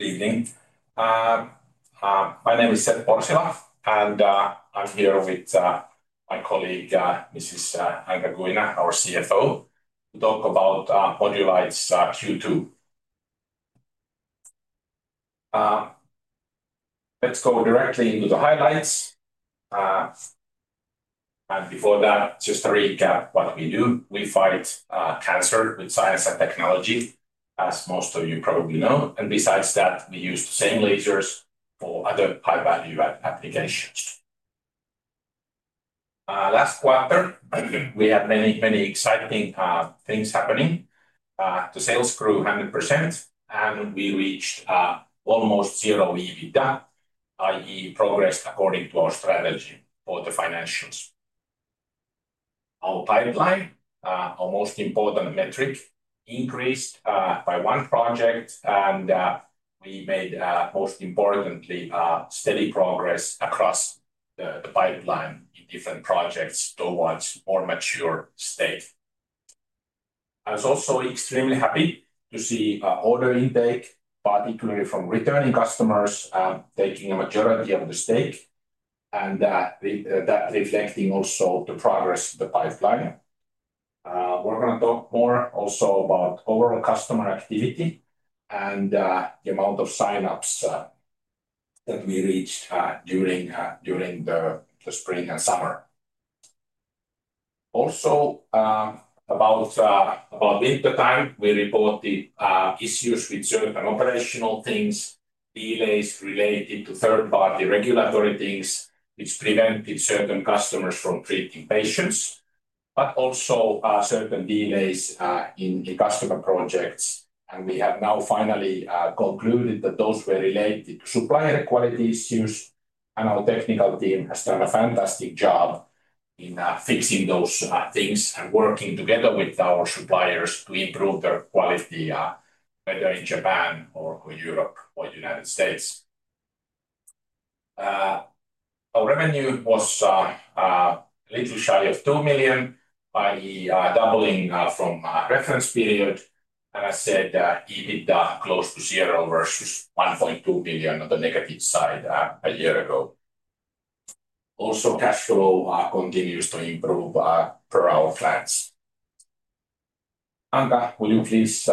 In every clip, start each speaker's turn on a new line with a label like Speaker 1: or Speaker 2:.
Speaker 1: Evening. My name is Seppo Orsila, and I'm here with my colleague, Mrs. Anca Guina, our CFO. We're talking about Modulight Q2. Let's go directly into the highlights. Before that, just to recap what we do. We fight cancer with science and technology, as most of you probably know. Besides that, we use the same lasers for other high-value applications. Last quarter, we had many, many exciting things happening. The sales grew 100%, and we reached almost zero EBITDA, i.e., progressed according to our strategy for the financials. Our pipeline, our most important metric, increased by one project, and we made, most importantly, steady progress across the pipeline, different projects towards a more mature state. I was also extremely happy to see order intake, particularly from returning customers, taking a majority of the stake, and that reflecting also the progress of the pipeline. We're going to talk more also about overall customer activity and the amount of sign-ups that we reached during the spring and summer. Also, about wintertime, we reported issues with certain operational things, delays related to third-party regulatory things. It's preventing certain customers from treating patients, but also certain delays in customer projects. We have now finally concluded that those were related to supplier quality issues, and our technical team has done a fantastic job in fixing those things, working together with our suppliers to improve their quality, whether in Japan or Europe or the U.S.. Our revenue was originally at EUR 2 million, i.e., doubling from a reference period. I said EBITDA close to zero versus 1.2 million on the negative side a year ago. Also, cash flow continues to improve per our plans. Anca, will you please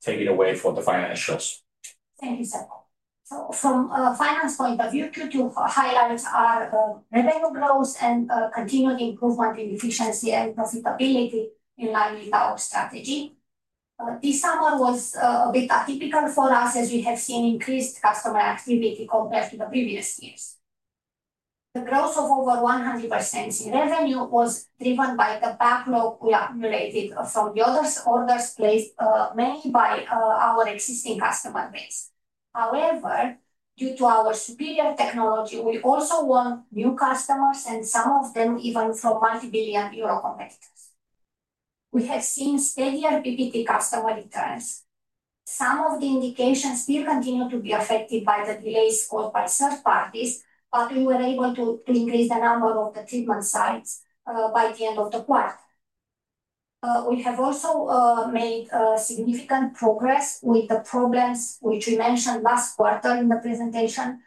Speaker 1: take it away for the financials?
Speaker 2: Thank you, Seppo. From a finance point of view, Q2 highlights our revenue growth and continued improvement in efficiency and profitability in light of our strategy. This summer was a bit atypical for us, as we have seen increased customer activity compared to the previous years. The growth of over 100% in revenue was driven by the backlog we accumulated from the orders placed, mainly by our existing customer base. However, due to our superior technology, we also won new customers, and some of them even from multi-billion euro contractors. We have seen steady and repeated customer returns. Some of the indications still continue to be affected by the delays caused by third parties, but we were able to increase the number of the treatment sites by the end of the quarter. We have also made significant progress with the progress which we mentioned last quarter in the presentation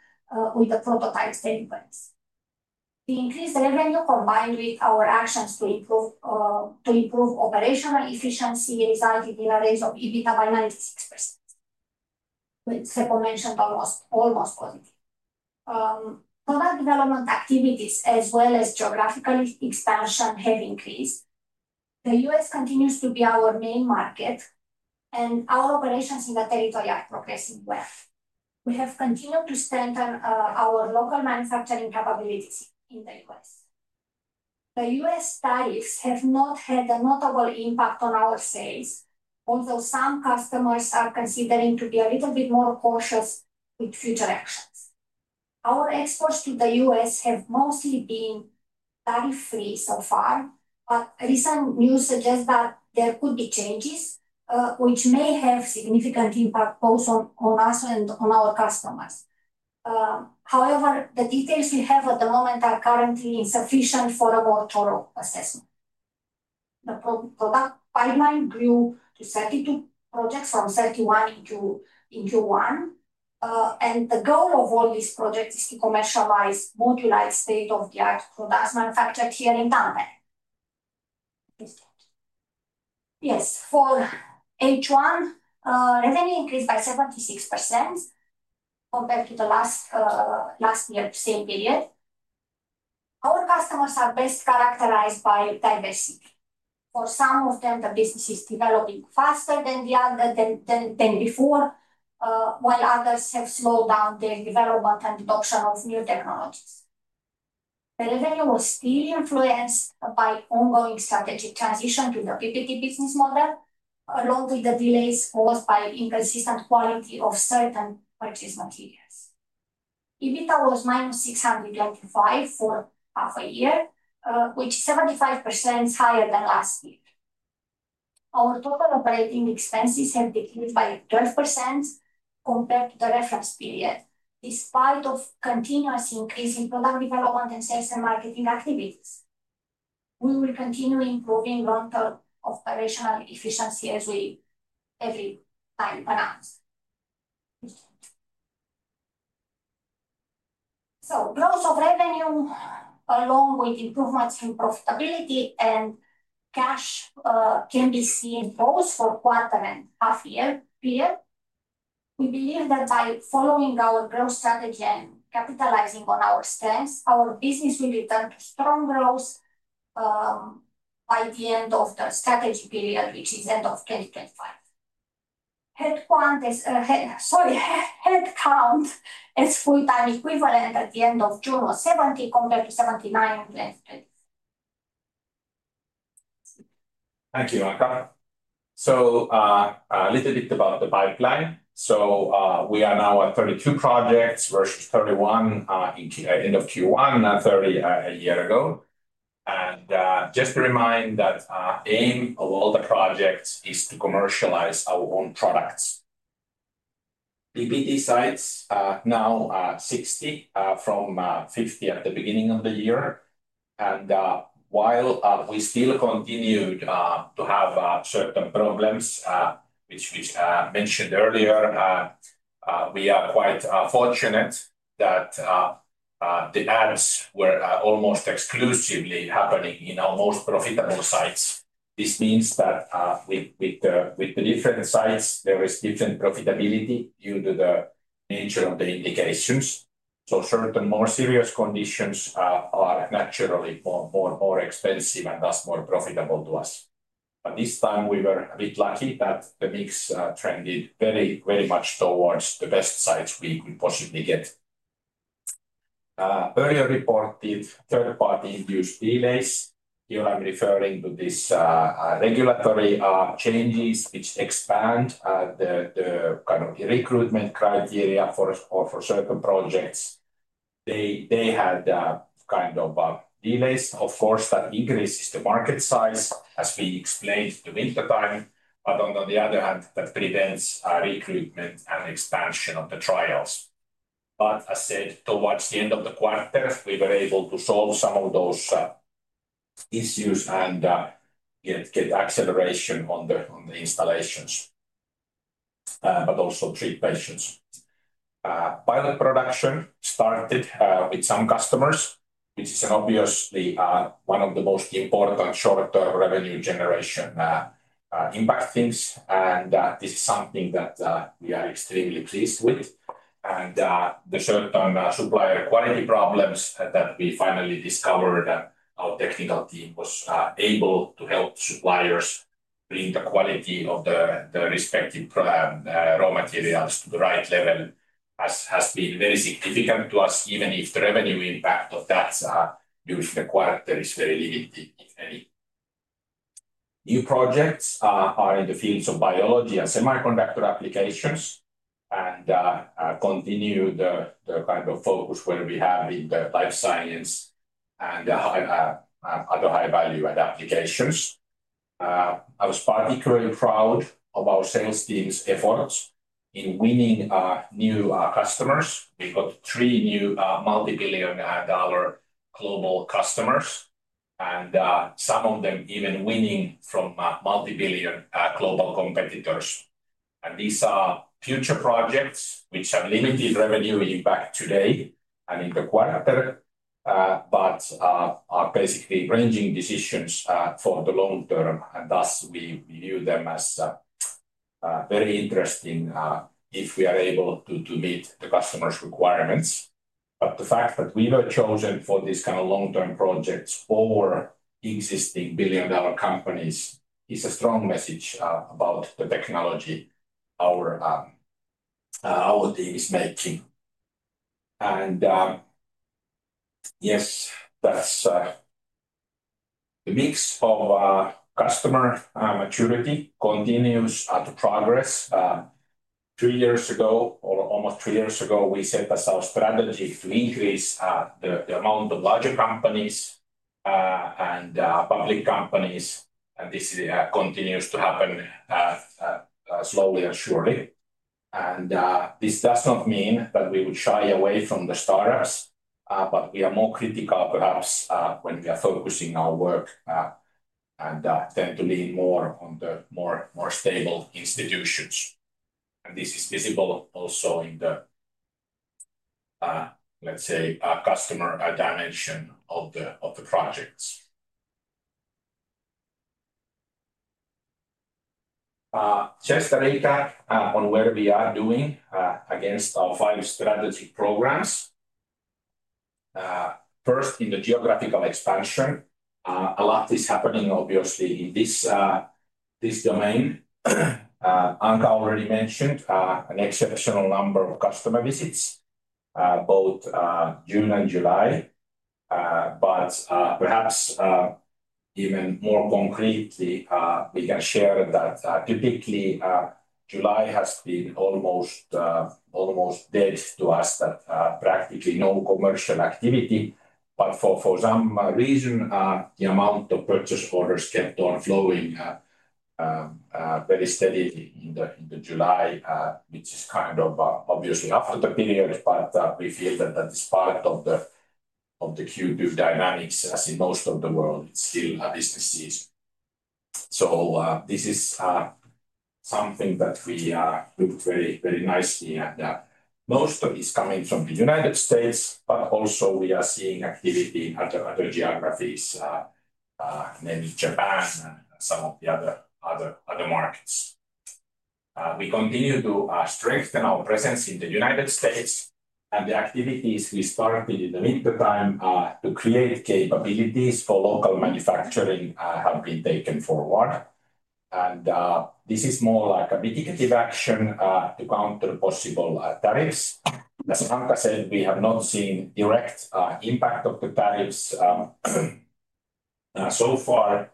Speaker 2: with the prototype statements. The increased revenue, combined with our actions to improve operational efficiency, resulted in a raise of EBITDA by 96%, which Seppo mentioned already. Product development activities, as well as geographical expansion, have increased. The U.S. continues to be our main market, and our operations in that territory are progressing well. We have continued to strengthen our local manufacturing capabilities in the U.S. The U.S. tariffs have not had a notable impact on our sales, although some customers are considering being a little bit more cautious with future actions. Our exports to the U.S. have mostly been tariff-free so far, but recent news suggests that there could be changes, which may have significant impact both on us and on our customers. However, the details we have at the moment are currently insufficient for a more thorough assessment. The project pipeline grew to 32 projects from 31 to 21. The goal of all these projects is to commercialize Modulight state-of-the-art products manufactured here in Finland. For H1, revenue increased by 76% compared to last year's same period. Our customers are best characterized by diversity. For some of them, the business is developing faster than before, while others have slowed down the development and adoption of new technologies. The revenue was clearly influenced by ongoing strategic transition to the PPT business model, along with the delays caused by inconsistent quality of certain purchase materials. EBITDA was -635,000 for half a year, with 75% higher than last year. Our total operating expenses have decreased by 12% compared to the reference period, in spite of continuous increase in product development and sales and marketing activities. We will continue improving long-term operational efficiency as we go. Growth of revenue, along with improvements in profitability and cash, can be seen both for quarter and half-year period. We believe that by following our growth strategy and capitalizing on our strengths, our business will return to strong growth by the end of the strategic period, which is end of 2035. Headcount is full-time equivalent at the end of June of 70 compared to 79 and 80.
Speaker 1: Thank you, Anca. A little bit about the pipeline. We are now at 32 projects versus 31 at the end of Q1, 30 a year ago. Just to remind that the aim of all the projects is to commercialize our own products. PPT sites are now 60 from 50 at the beginning of the year. While we still continue to have certain problems, which we mentioned earlier, we are quite fortunate that demands were almost exclusively happening in our most profitable sites. This means that with the different sites, there is different profitability due to the nature of the indications. Certain more serious conditions are naturally more extensive and thus more profitable to us. This time, we were a bit lucky that the mix trended very, very much towards the best sites we could possibly get. Earlier reported third-party induced delays. Here I'm referring to these regulatory changes which expand the kind of recruitment criteria for certain projects. They had kind of delays. Of course, that increases the market size, as we explained, to wintertime, but on the other hand, that prevents recruitment and expansion of the trials. As I said, towards the end of the quarter, we were able to solve some of those issues and get acceleration on the installations, but also treat patients. Pilot production started with some customers, which is obviously one of the most important short-term revenue generation impact things. This is something that we are extremely pleased with. The certain supplier quality problems that we finally discovered, that our technical team was able to help suppliers bring the quality of the respective raw materials to the right level, has been very significant. Even if the revenue impact of that during the quarter is very limited. New projects are in the fields of biology and semiconductor applications and continue the kind of focus where we have in the life science and other high-value applications. I was particularly proud of our sales team's efforts in winning new customers. We got three new multi-billion dollar global customers, and some of them even winning from multi-billion global competitors. These are future projects which have limited revenue impact today and in the quarter, but are basically ranging decisions for the long term. We view them as very interesting if we are able to meet the customer's requirements. The fact that we were chosen for these kind of long-term projects over existing billion-dollar companies is a strong message about the technology our team is making. Yes, the mix of customer maturity continues to progress. Three years ago, or almost three years ago, we said that our strategy to increase the amount of larger companies and public companies, and this continues to happen slowly and surely. This does not mean that we will shy away from the starters, but we are more critical of us when we are focusing our work and tend to lean more on the more stable institutions. This is visible also in the, let's say, customer adaptation of the projects. Just a recap on where we are doing against our five strategy programs. First, in the geographical expansion, a lot is happening, obviously, in this domain. Anca already mentioned an exceptional number of customer visits, both June and July. Perhaps even more concretely, we can share that typically July has been almost dead to us, that practically no commercial activity. For some reason, the amount of purchase orders kept on flowing very steadily in July, which is kind of obviously a hotter period. We feel that that is part of the Q2 dynamics, as in most of the world, it's still business season. This is something that we are very, very nicely, and most of it is coming from the United States. We are also seeing activity in other geographies, maybe Japan and some of the other markets. We continue to strengthen our presence in the United States, and the activities we started in the wintertime to create capabilities for local manufacturing have been taken forward. This is more like a mitigative action to counter possible tariffs. As Anca said, we have not seen direct impact of the tariffs so far.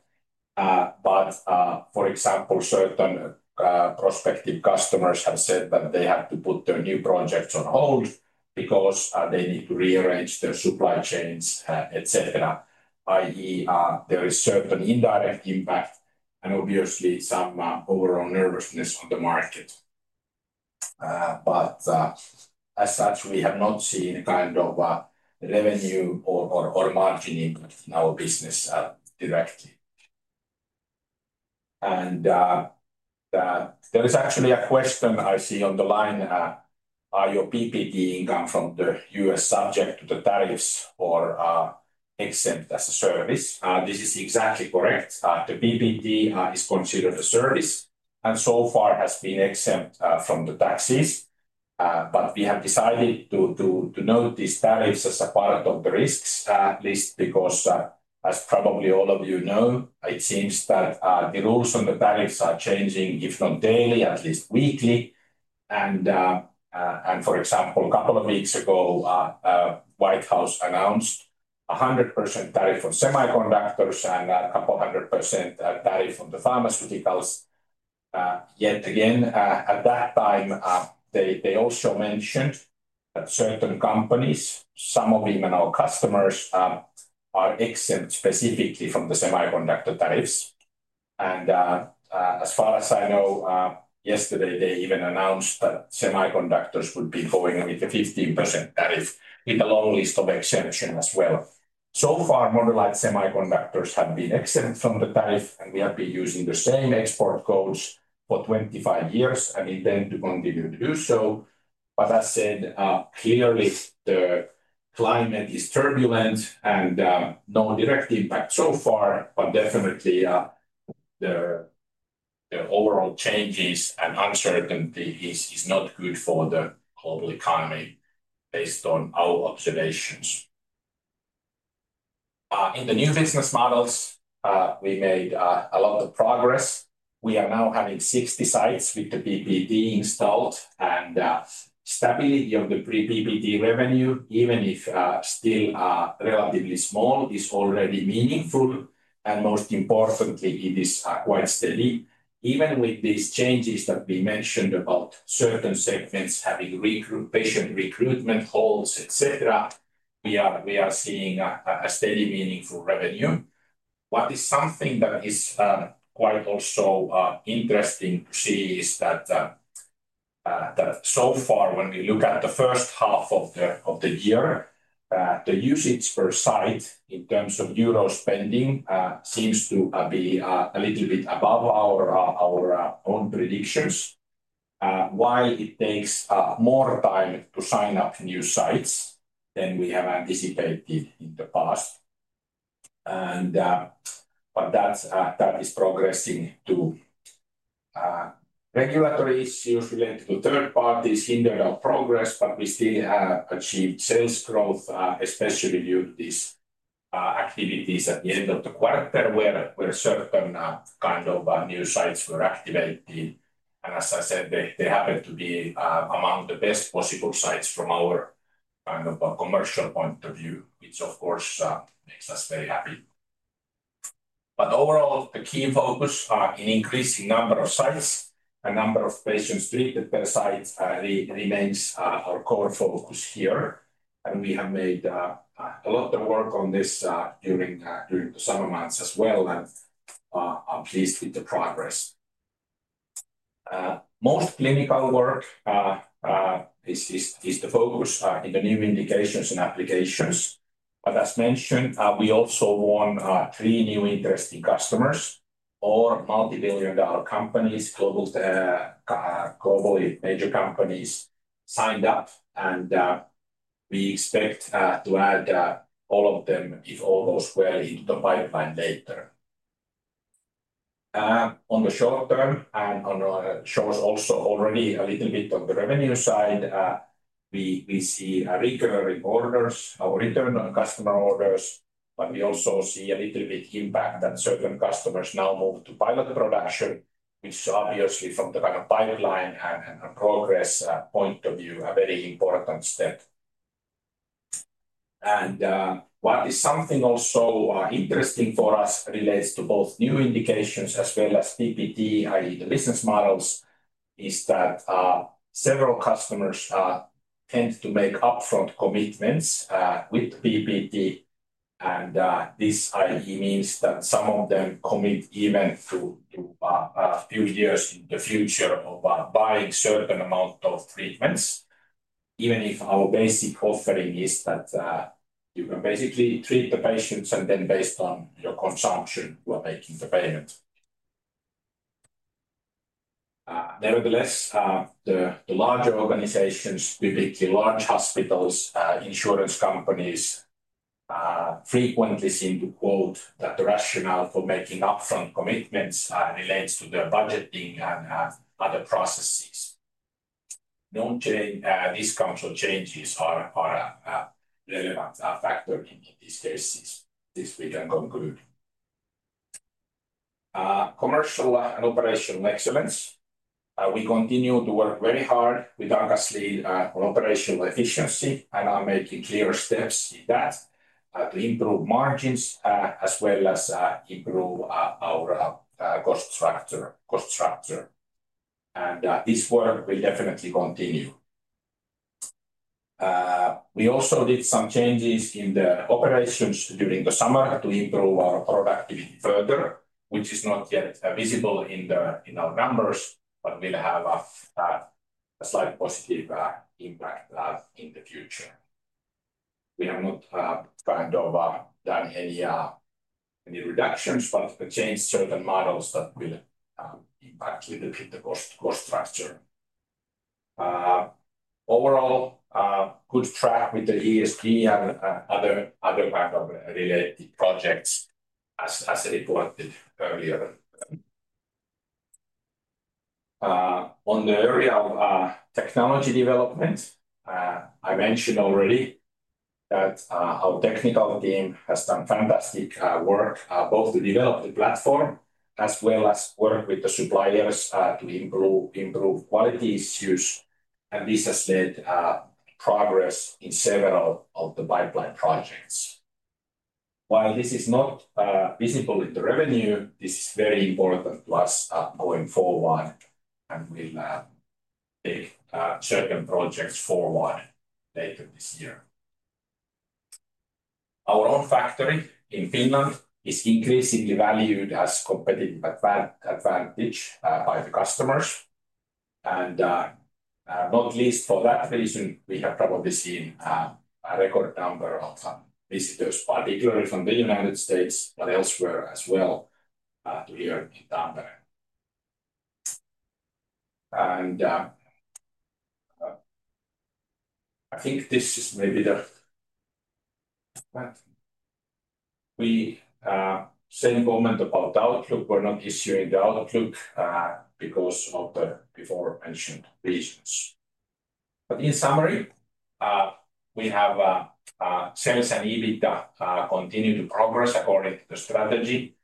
Speaker 1: For example, certain prospective customers have said that they have to put their new projects on hold because they need to rearrange their supply chains, et cetera. I.e., there is certain indirect impact and obviously some overall nervousness on the market. As such, we have not seen kind of revenue or margin impact in our business directly. There is actually a question I see on the line. Are your PPT income from the U.S. subject to the tariffs or exempt as a service? This is exactly correct. The PPT is considered a service and so far has been exempt from the taxes. We have decided to note these tariffs as a part of the risks, at least because, as probably all of you know, it seems that the rules on the tariffs are changing, if not daily, at least weekly. For example, a couple of weeks ago, the White House announced a 100% tariff on semiconductors and a couple 100% tariff on the pharmaceuticals. Yet again, at that time, they also mentioned that certain companies, some of them in our customers, are exempt specifically from the semiconductor tariffs. As far as I know, yesterday, they even announced that semiconductors would be going with the 15% tariff, with a long list of exceptions as well. So far, Modulight semiconductors have been exempt from the tariff, and we have been using the same export codes for 25 years and intend to continue to do so. Clearly, the climate is turbulent and no direct impact so far, but definitely the overall changes and uncertainty is not good for the global economy based on our observations. In the new business models, we made a lot of progress. We are now having 60 sites with the PPT installed. The stability of the pre-PPT revenue, even if still relatively small, is already meaningful. Most importantly, it is quite steady. Even with these changes that we mentioned about certain segments having recent recruitment holes, et cetera, we are seeing a steady, meaningful revenue. What is something that is quite also interesting to see is that so far, when we look at the first half of the year, the usage per site in terms of euros spending seems to be a little bit above our own predictions, while it takes more time to sign up new sites than we have anticipated in the past. That is progressing too. Regulatory issues related to third parties hinder our progress, but we still achieve sales growth, especially due to these activities at the end of the quarter where certain kind of new sites were activated. As I said, they happen to be among the best possible sites from our kind of commercial point of view, which, of course, makes us very happy. Overall, the key focus is an increasing number of sites and number of patients treated per site remains a core focus here. We have made a lot of work on this during the summer months as well. Please see the progress. Most clinical work is the focus in the new indications and applications. As mentioned, we also won three new interesting customers, all multi-billion dollar companies, globally major companies, signed up. We expect to add all of them if all those were in the pipeline later. On the short term, and on the shows also already a little bit on the revenue side, we see recurring orders, our return customer orders, but we also see a little bit of impact that certain customers now move to pilot production, which is obviously from the kind of pipeline and progress point of view, a very important step. What is something also interesting for us relates to both new indications as well as PPT, i.e., the business models, is that several customers tend to make upfront commitments with PPT. This, i.e., means that some of them commit even to a few years in the future of buying a certain amount of treatments, even if our basic offering is that you can basically treat the patients and then based on your consumption, we're making the payment. Nevertheless, the larger organizations, particularly large hospitals, insurance companies frequently seem to quote that the rationale for making upfront commitments relates to their budgeting and other processes. I don't think these cultural changes are a relevant factor. This is this we can conclude. Commercial and operational excellence. We continue to work very hard with [Argosly] on operational efficiency and are making clear steps in that to improve margins as well as improve our cost structure. This work will definitely continue. We also did some changes in the operations during the summer to improve our product further, which is not yet visible in our numbers, but will have a slight positive impact in the future. We are not part of that area of reductions, but changed certain models that will impact the cost structure. Overall, good track with the ESG and other related projects, as reported earlier. On the area of technology development, I mentioned already that our technical team has done fantastic work both to develop the platform as well as work with the suppliers to improve quality issues. This has led to progress in several of the pipeline projects. While this is not visible in the revenue, this is very important to us going forward with certain projects forward later this year. Our own factory in Finland is increasingly valued as a competitive advantage by the customers. Not least for that reason, we have probably seen a record number of visitors, particularly from the U.S., but elsewhere as well. I think this is the same moment about Outlook. We're not issuing the Outlook because of the before mentioned reasons. In summary, we have sales and EBITDA continuing progress according to the strategy,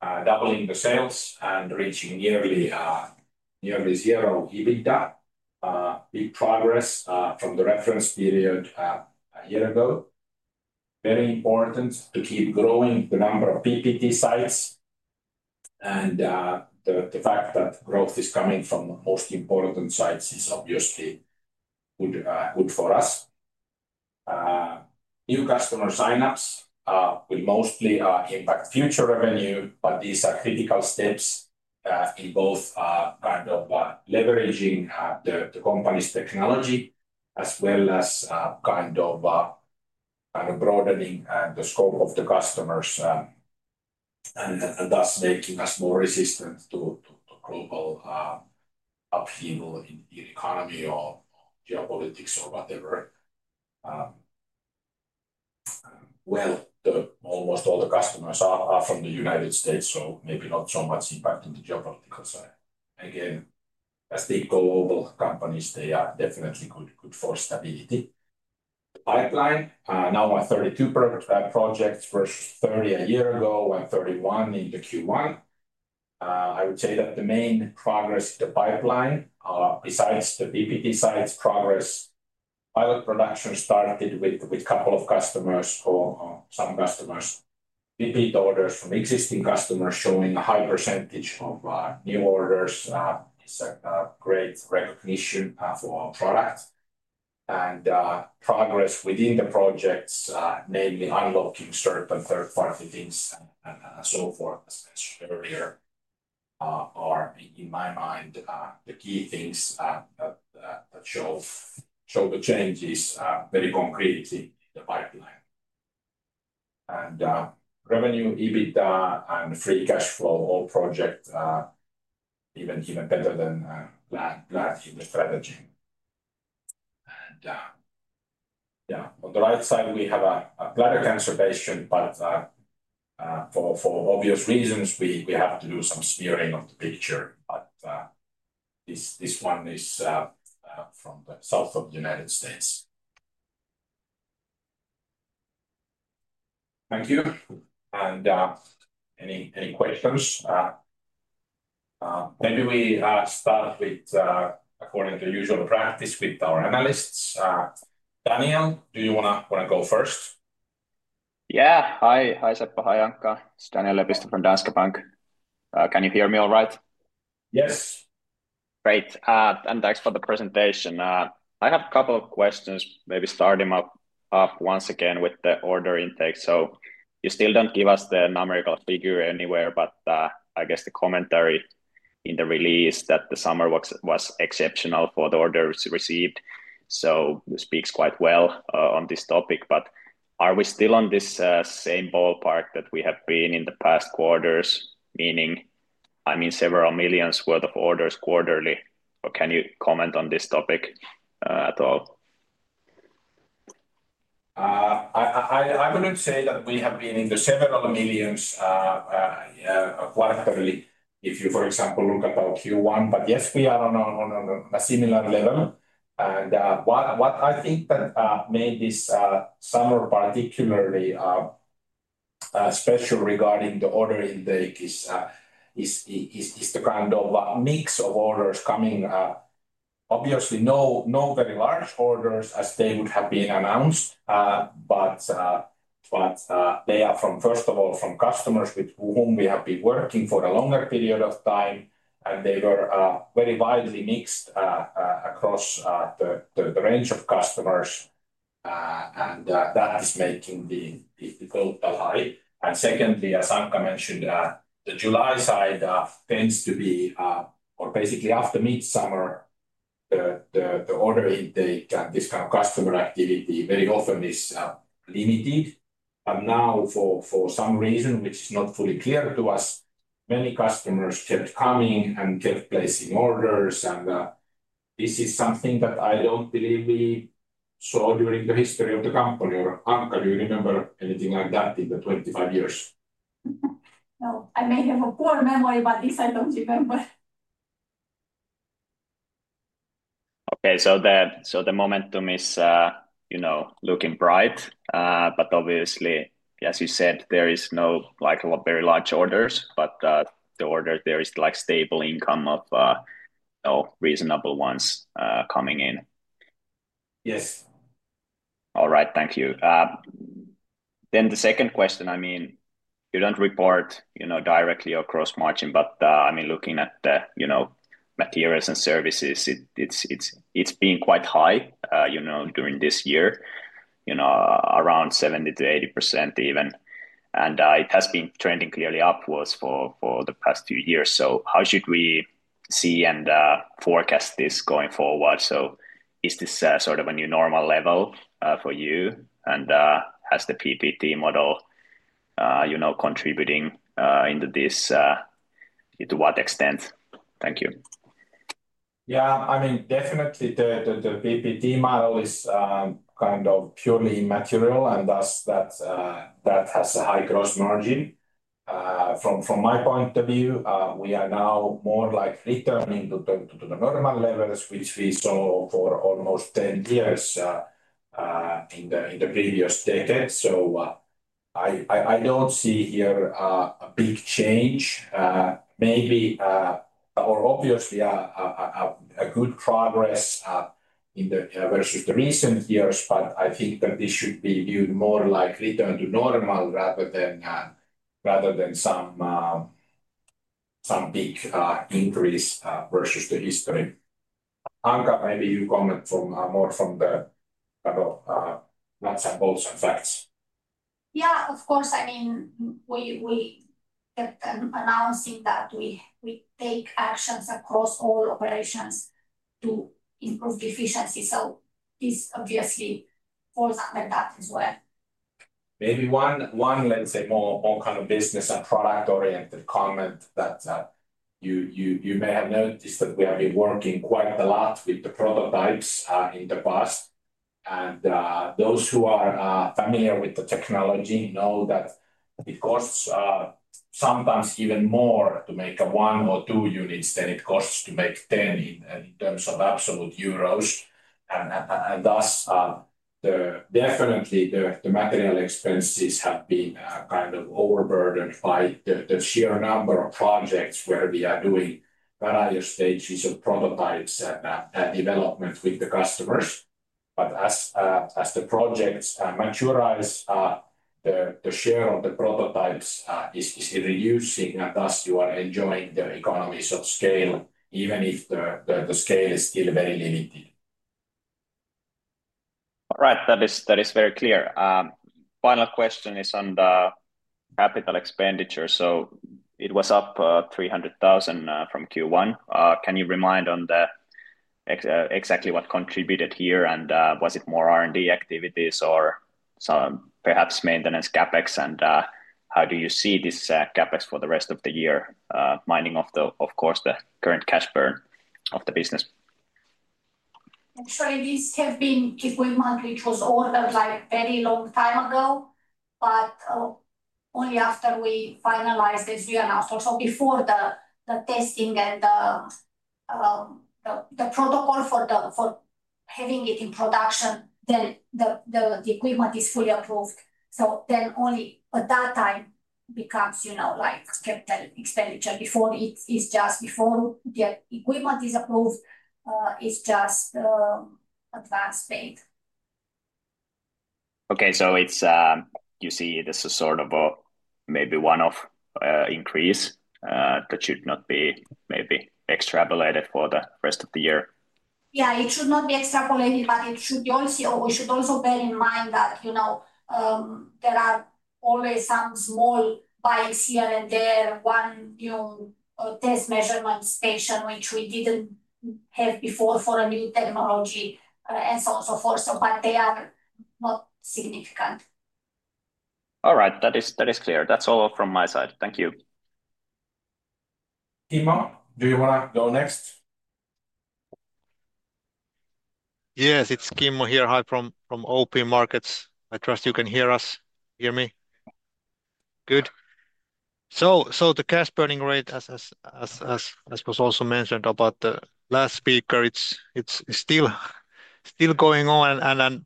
Speaker 1: doubling the sales and reaching nearly zero EBITDA. Big progress from the reference period a year ago. It is very important to keep growing the number of PPT sites. The fact that growth is coming from the most important sites is obviously good for us. New customer sign-ups will mostly impact future revenue, but these are critical steps to both kind of leveraging the company's technology as well as kind of broadening the scope of the customers, and thus making us more resistant to upheaval in the economy or geopolitics or whatever. Almost all the customers are from the United States, so maybe not so much impact on the geopolitical side. As they grow, companies, they are definitely good for stability. Pipeline now on 32 projects, first 30 a year ago, and 31 in the Q1. I would say that the main progress in the pipeline, besides the PPT sites' progress, pilot production started with a couple of customers or some customers. We paid orders from existing customers showing a high percentage of new orders. It's like a great recognition for our product. Progress within the projects, namely unlocking certain third-party things and so forth, as mentioned earlier, are in my mind key things to show the changes. Really concrete in the pipeline. Revenue, EBITDA, and free cash flow, all projects, even better than last year's strategy. On the right side, we have a bladder cancer patient, but for obvious reasons, we have to do some smearing of the picture. This one is from the South of the United States. Thank you. Any questions? Maybe we start with, according to usual practice, with our analysts. Daniel, do you want to go first?
Speaker 3: Hi, Seppo. Hi, Anca. It's Daniel Lepistö from Danske Bank. Can you hear me all right?
Speaker 1: Yes.
Speaker 3: Great. Thanks for the presentation. I have a couple of questions, maybe starting up once again with the order intake. You still don't give us the numerical figure anywhere, but I guess the commentary in the release that the summer was exceptional for the orders received speaks quite well on this topic. Are we still on this same ballpark that we have been in the past quarters, meaning several millions worth of orders quarterly? Can you comment on this topic at all?
Speaker 1: I wouldn't say that we have been in the several millions quarterly, if you, for example, look about Q1. Yes, we are on a similar level. What I think that made this summer particularly special regarding the order intake is the kind of mix of orders coming. Obviously, no very large orders as they would have been announced. I want to lay out, first of all, from customers with whom we have been working for a longer period of time, and they were very widely mixed across the range of customers. That aspect can be difficult to hide. Secondly, as Anca mentioned, the July side tends to be, or basically after midsummer, the order intake and this kind of customer activity very often is limited. Now, for some reason, which is not fully clear to us, many customers are coming and placing orders. This is something that I don't believe we saw during the history of the company. Anca, do you remember anything like that in the 25 years?
Speaker 2: No, I may have a poor memory, but this I don't remember.
Speaker 3: Okay. The momentum is, you know, looking bright. Obviously, as you said, there are no very large orders, but the order, there is like stable income of reasonable ones coming in.
Speaker 1: Yes.
Speaker 3: All right. Thank you. The second question, you don't report directly or cross-margin, but looking at the materials and services, it's been quite high during this year, around 70%-80% even. It has been trending clearly upwards for the past two years. How should we see and forecast this going forward? Is this sort of a new normal level for you? Has the PPT model contributed to this? To what extent? Thank you.
Speaker 1: Yeah, I mean, definitely, the PPT model is kind of purely immaterial, and thus that has a high gross margin. From my point of view, we are now more like returning to the normal levels, which we saw for almost 10 years in the previous decade. I don't see here a big change. Mainly, or obviously, a good progress versus the recent years, but I think that we should be more likely to do normal rather than some big increase versus the history. Anca, maybe you comment more from both sides.
Speaker 2: Yeah, of course. I mean, we kept announcing that we take actions across all operations to improve the efficiency. This obviously falls under that as well.
Speaker 1: Maybe one, let's say, more kind of business and product-oriented comment that you may have noticed that we have been working quite a lot with the prototypes in the past. Those who are familiar with the technology know that it costs sometimes even more to make one or two units than it costs to make 10 in terms of absolute euros. Thus, definitely, the material expenses have been kind of overburdened by the sheer number of projects where we are doing various stages of prototypes and development with the customers. As the projects mature, the share of the prototypes is reducing, and thus you are enjoying the economies of scale, even if the scale is still very limited.
Speaker 3: All right. That is very clear. Final question is on the capital expenditure. It was up 300,000 from Q1. Can you remind on exactly what contributed here? Was it more R&D activities or perhaps some maintenance CapEx? How do you see this CapEx for the rest of the year, mining off, of course, the current cash burn of the business?
Speaker 2: Actually, this has been keep going monthly. It was ordered like a very long time ago, but only after we finalized this year and after, before the testing and the protocol for having it in production, then the equipment is fully approved. Only at that time it becomes, you know, like capital expenditure. Before the equipment is approved, it's just advance paid.
Speaker 3: This is sort of a maybe one-off increase that should not be maybe extrapolated for the rest of the year.
Speaker 2: Yeah, it should not be extrapolated, but we should also bear in mind that, you know, there are always some small bites here and there, one new test measurement station, which we didn't have before for a new technology, and so on and so forth. They are not significant.
Speaker 3: All right. That is clear. That's all from my side. Thank you.
Speaker 1: Kimo, do you want to go next? Yes, it's Kimo here. Hi from OP Markets. I trust you can hear us. Hear me? Good. The cash burning rate, as was also mentioned about the last speaker, it's still going on.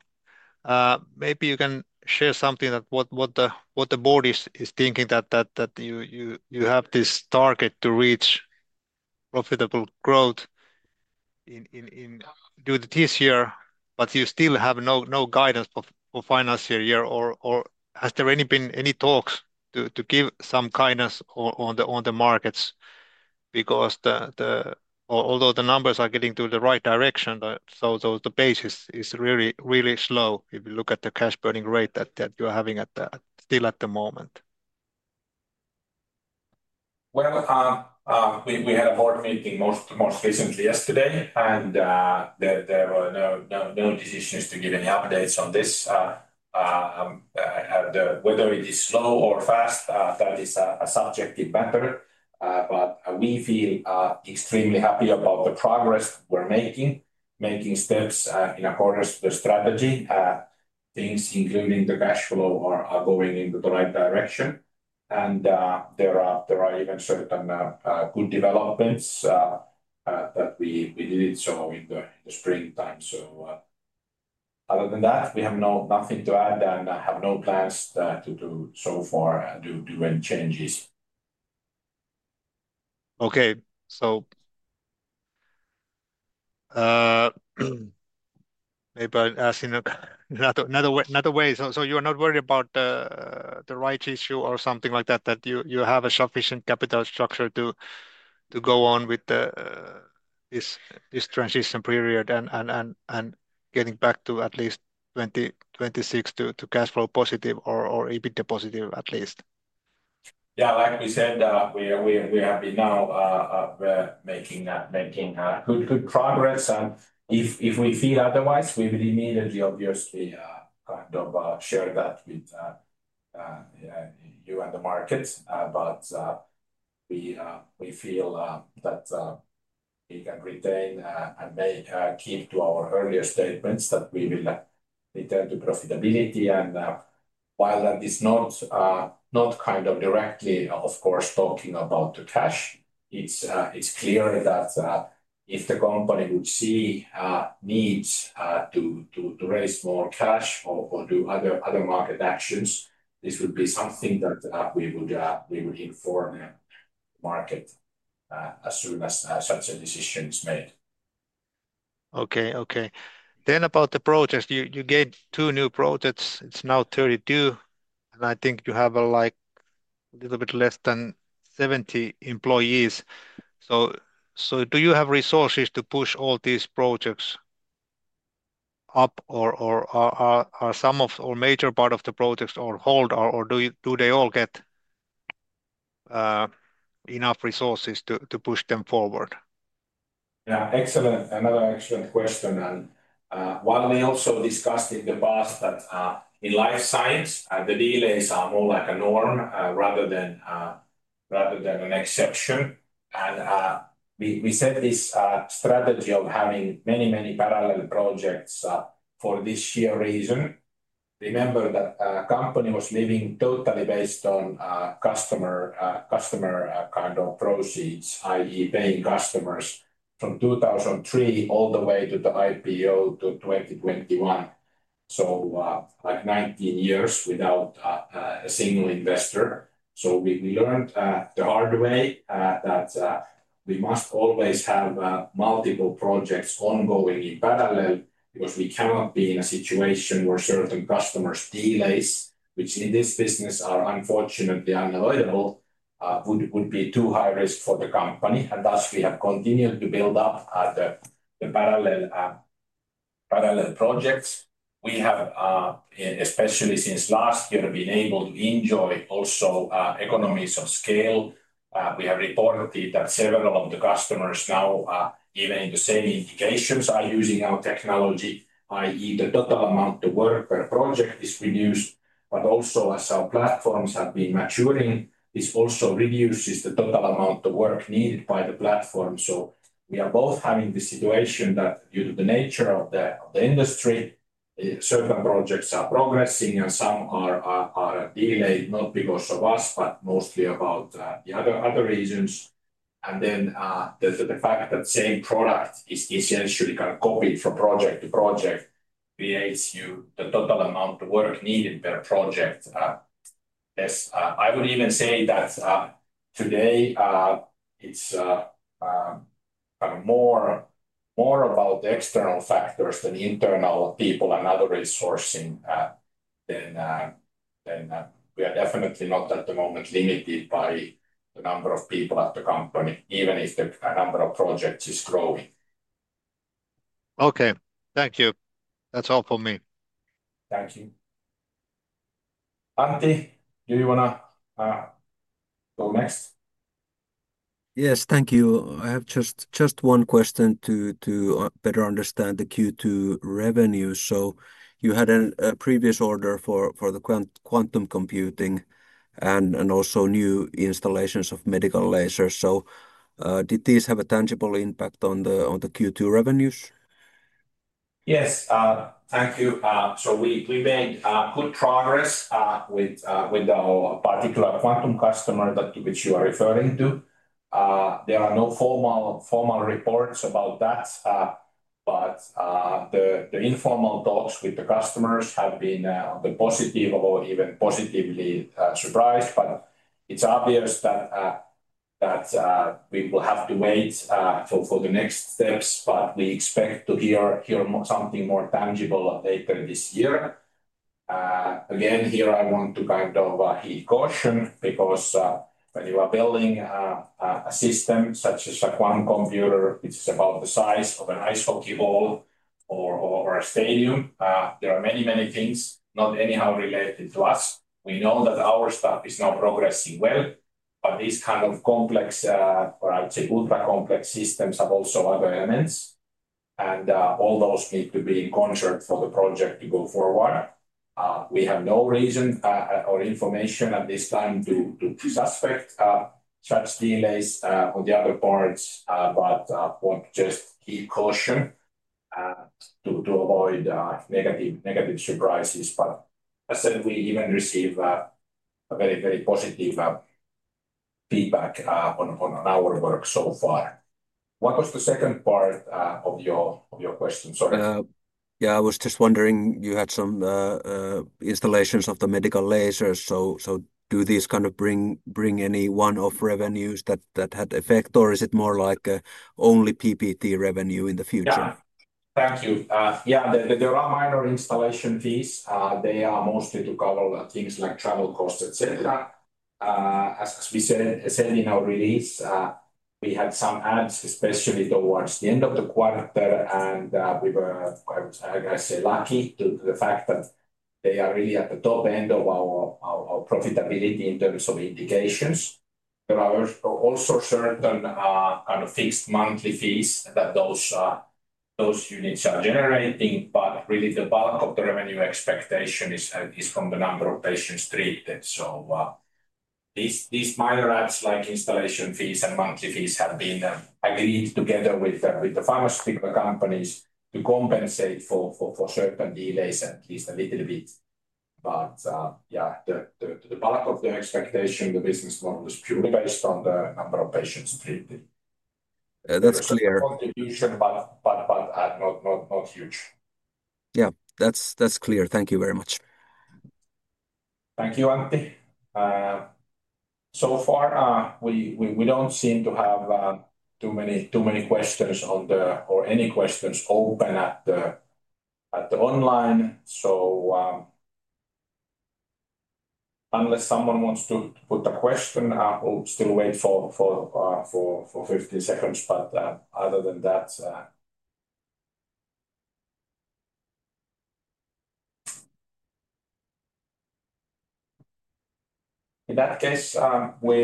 Speaker 1: Maybe you can share something that what the board is thinking, that you have this target to reach profitable growth due to this year, but you still have no guidance for the financial year. Has there been any talks to give some guidance on the markets? Although the numbers are getting to the right direction, the pace is really, really slow if you look at the cash burning rate that you're having still at the moment. We had a board meeting most recently yesterday, and there were no decisions to give any updates on this. Whether it is slow or fast, that is a subjective matter. We feel extremely happy about the progress we're making, making steps in accordance with the strategy. Things, including the cash flow, are going in the right direction. There are even certain good developments that we need to stay in time. Other than that, we have nothing to add and have no plans to do so far due to any changes. Okay, maybe I'm asking another way. You are not worried about the rights issue or something like that, that you have a sufficient capital structure to go on with this transition period and getting back to at least 2026 to cash flow positive or EBITDA positive at least. Like we said, we have been now making good progress. If we feel otherwise, we will immediately, obviously, share that with you and the markets. We feel that we can retain and keep to our earlier statements that we will return to profitability. While that is not directly, of course, talking about the cash, it's clear that if the company would see needs to raise more cash or do other market actions, this would be something that we would inform the market as soon as such a decision is made. Okay. Then about the projects, you gave two new projects. It's now 32, and I think you have a little bit less than 70 employees. Do you have resources to push all these projects up, or are some of the major parts of the projects on hold, or do they all get enough resources to push them forward? Yeah, excellent. Another excellent question. We also discussed in the past that in life science, the delays are more like a norm rather than an exception. We said this strategy of having many, many parallel projects for this year's reason. Remember that the company was living totally based on customer kind of proceeds, i.e., paying customers from 2003 all the way to the IPO to 2021. So 19 years without a single investor. We learned the hard way that we must always have multiple projects ongoing in parallel because we cannot be in a situation where certain customers' delays, which in this business are unfortunately unavoidable, would be too high risk for the company. Thus, we have continued to build up the parallel projects. We have, especially since last year, been able to enjoy also economies of scale. We have reported that several of the customers now, even in the same indications, are using our technology, i.e., the total amount of work per project is reduced. Also, as our platforms have been maturing, this also reduces the total amount of work needed by the platform. We are both having the situation that, due to the nature of the industry, certain projects are progressing and some are delayed not because of us, but mostly about the other reasons. The fact that the same product is essentially cargoing from project to project creates you the total amount of work needed per project. I would even say that today, it's kind of more about the external factors than the internal people and other resourcing. We are definitely not at the moment limited by the number of people at the company, even if the number of projects is growing. Okay, thank you. That's all for me. Thank you. [Anti], do you want to go next? Yes, thank you. I have just one question to better understand the Q2 revenues. You had a previous order for the quantum computing and also new installations of medical lasers. Did these have a tangible impact on the Q2 revenues? Yes, thank you. We made good progress with our particular quantum customer that you are referring to. There are no formal reports about that, but the informal talks with the customers have been positive or even positively surprised. It's obvious that we will have to wait for the next steps, but we expect to hear something more tangible later this year. Here I want to caution because when you are building a system such as a quantum computer, it's about the size of an ice hockey hall or a stadium. There are many, many things not anyhow related to us. We know that our staff is now progressing well, but these kind of complex, or I would say ultra-complex systems, have also other elements. All those need to be in concert for the project to go forward. We have no reason or information at this time to expect such delays on the other parts, but I want to just keep caution to avoid negative surprises. As I said, we even received very, very positive feedback on our work so far. What was the second part of your question? I was just wondering, you had some installations of the medical lasers. Do these kind of bring any one-off revenues that had effect, or is it more like only PPT revenue in the future? Thank you. Yeah, and there are minor installation fees. They are mostly to cover things like travel costs, etc. As we said in our release, we had some adds, especially towards the end of the quarter. We were, I guess, lucky due to the fact that they are really at the top end of our profitability in terms of indications. There are also certain fixed monthly fees that those units are generating. Really, the bulk of the revenue expectation is from the number of patients treated. These minor adds, like installation fees and monthly fees, have been agreed together with the pharmaceutical companies to compensate for certain delays at least a little bit. The bulk of the expectation in the business model is pure based on the patients treated. That's clear. Contribution, not huge. Yeah, that's clear. Thank you very much. Thank you, [Anti]. So far, we don't seem to have too many questions or any questions open at the online. Unless someone wants to put a question, I'll still wait for 15 seconds. Other than that, in that case, we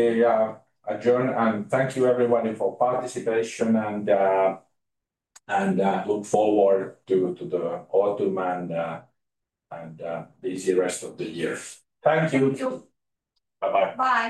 Speaker 1: adjourn. Thank you, everybody, for participation and look forward to the autumn and the easy rest of the year. Thank you.
Speaker 2: Thank you.
Speaker 1: Bye-bye.
Speaker 2: Bye.